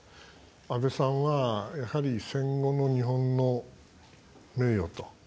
安倍さんはやはり、戦後の日本の名誉と。